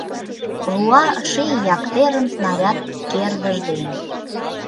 Руа ший яктерым снаряд кердыж ден.